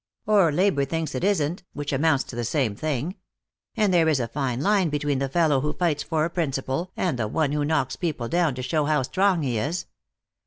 Or labor thinks it isn't, which amounts to the same thing. And there is a fine line between the fellow who fights for a principle and the one who knocks people down to show how strong he is."